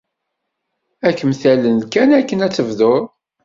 Ad kem-talel kan akken ad tebdud.